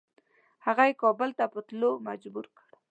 هغه یې کابل ته په تللو مجبور کړ.